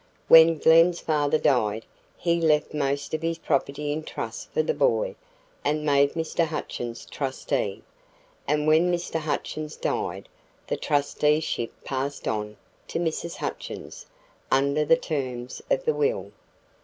When Glen's father died he left most of his property in trust for the boy and made Mr. Hutchins trustee, and when Mr. Hutchins died, the trusteeship passed on to Mrs. Hutchins under the terms of the will.